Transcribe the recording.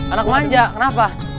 anak manja kenapa